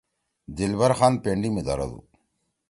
دلبر خان پنڈی می دھردُو۔